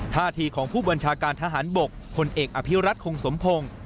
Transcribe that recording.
ท่าทีของผู้บัญชาการทหารบกพลเอกอภิรัตคงสมพงศ์